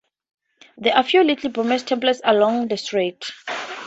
There are few little Burmese temples along the street.